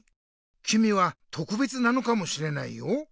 きみは「とくべつ」なのかもしれないよ。